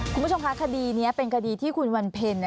คุณผู้ชมคะคดีนี้เป็นคดีที่คุณวันเพ็ญ